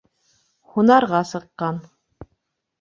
Һунарға сыҡҡан.